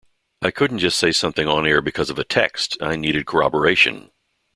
I couldn't just say something on-air because of a text, I needed corroboration.